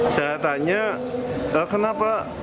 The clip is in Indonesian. saya tanya kenapa